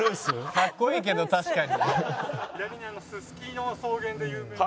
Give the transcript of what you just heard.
かっこいいけど確かに。